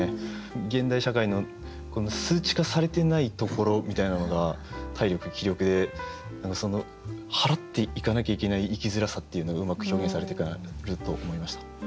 現代社会の数値化されていないところみたいなのが体力気力で払っていかなきゃいけない生きづらさっていうのがうまく表現されてると思いました。